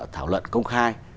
thảo luận công khai